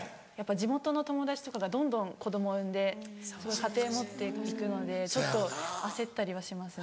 地元の友達とかがどんどん子供産んで家庭持って行くのでちょっと焦ったりはしますね。